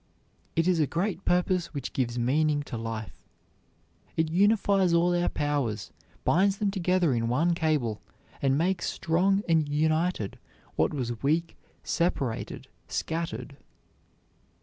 It is a great purpose which gives meaning to life; it unifies all our powers, binds them together in one cable and makes strong and united what was weak, separated, scattered.